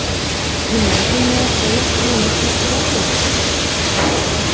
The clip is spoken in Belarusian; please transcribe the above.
Гімназія мела сваю астранамічную абсерваторыю.